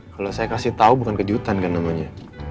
kalau saya kasih tau bukan kejutan kan namanya